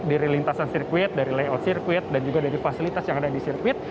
dari lintasan sirkuit dari layout sirkuit dan juga dari fasilitas yang ada di sirkuit